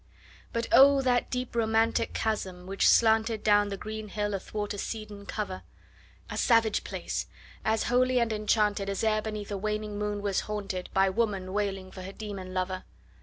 But O, that deep romantic chasm which slanted Down the green hill athwart a cedarn cover! A savage place! as holy and enchanted As e'er beneath a waning moon was haunted 15 By woman wailing for her demon lover!